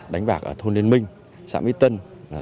đánh bạc ở thôn liên minh xã mỹ tân